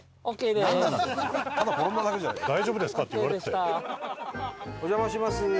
お邪魔します。